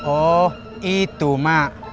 oh itu mak